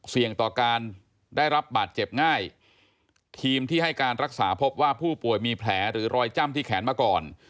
เสี่ยงต่อการได้รับบาดเจ็บง่ายทีมที่ให้การรักษาพบว่าผู้ป่วยมีแผลหรือรอยจ้ำที่แขนมาก่อน